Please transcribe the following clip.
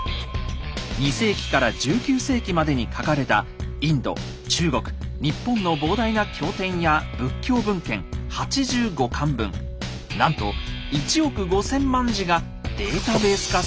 ２世紀から１９世紀までに書かれたインド・中国・日本の膨大な経典や仏教文献８５巻分なんと１億５，０００万字がデータベース化されたものです。